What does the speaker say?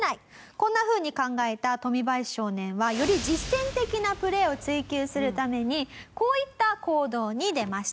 こんなふうに考えたトミバヤシ少年はより実践的なプレイを追求するためにこういった行動に出ました。